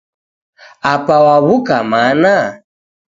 Apa waw'uka mana?